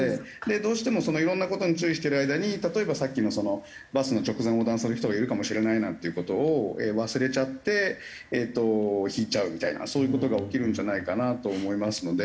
どうしてもいろんな事に注意してる間に例えばさっきのそのバスの直前を横断する人がいるかもしれないなんていう事を忘れちゃってえっとひいちゃうみたいなそういう事が起きるんじゃないかなと思いますので。